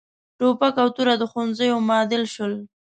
ټوپک او توره د ښوونځیو معادل شول.